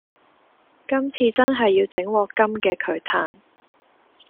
今次真係要整鑊金嘅佢嘆